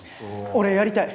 俺やりたい！